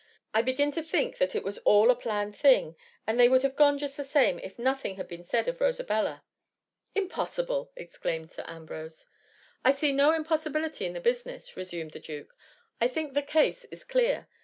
I begin to think that it was all a planned thing, and they would have gone just the same if nothing had been said of Rosabella.^ ^ Impossible !^ exclaimed Sir Ambrose. ^^ I see no impossibility in the business,^ re sumed the duke. ^^ I think the case is clear.